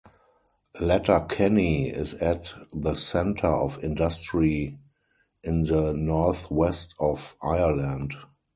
Letterkenny is at the centre of industry in the northwest of Ireland.